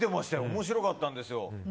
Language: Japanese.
面白かったんですよ。